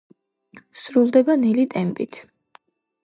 სრულდება ნელი ტემპით.